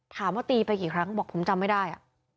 ถามว่าตีไปกี่ครั้งบอกผมจำไม่ได้